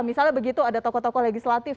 misalnya begitu ada toko toko legislatif